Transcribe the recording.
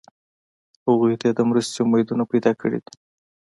هغوی ته یې د مرستې امیدونه پیدا کړي دي.